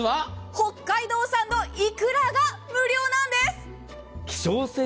北海道産のいくらが無料なんです。